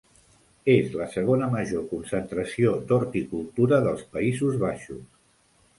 És la segona major concentració d'horticultura dels Països Baixos.